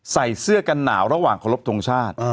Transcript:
ใส่เสื้อกันหนาวระหว่างเคารพทงชาติ